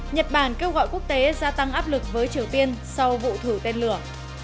nhật bản kêu gọi quốc tế gia tăng áp lực với triều tiên sau vụ thử tên lửa